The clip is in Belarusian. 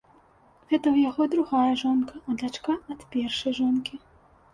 Гэта ў яго другая жонка, а дачка ад першай жонкі.